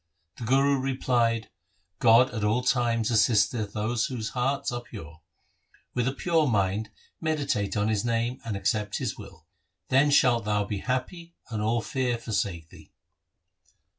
The Guru re plied, ' God at all times assisteth those whose hearts are pure. With a pure mind meditate on His name, and accept His will. Then shalt thou be happy and all fear forsake thee.'